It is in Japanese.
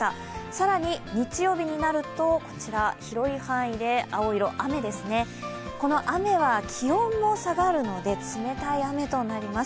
更に日曜日になると、広い範囲で青色、雨ですね、この雨は気温も下がるので、冷たい雨となります。